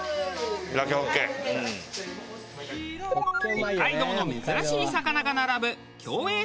北海道の珍しい魚が並ぶ。